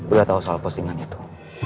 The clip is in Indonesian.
beliau tahu soal postingan itu